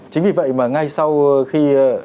chính vì vậy mà ngay sau khi